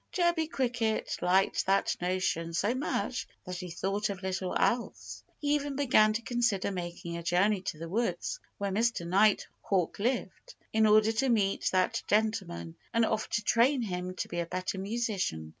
Chirpy Cricket liked that notion so much that he thought of little else. He even began to consider making a journey to the woods where Mr. Nighthawk lived, in order to meet that gentleman and offer to train him to be a better musician.